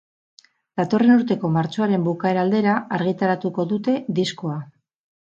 Datorren urteko martxoaren bukaera aldera argitaratuko dute diskoa.